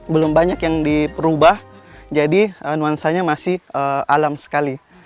belum banyak yang diperubah jadi nuansanya masih alam sekali